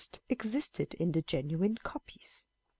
343 existed in the genuine copies.